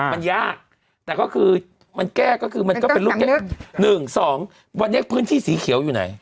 มันยากแต่ก็คือมันแก้ก็คือมันก็เป็นลูกแก้๑๒วันนี้พื้นที่สีเขียวอยู่ไหน